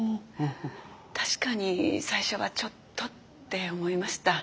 確かに最初はちょっとって思いました。